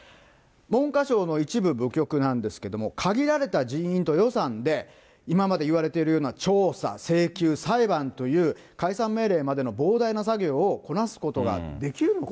文科省の一部部局なんですけども、限られた人員と予算で、今まで言われているような調査、請求、裁判という解散命令までの膨大な作業をこなすことができるのか。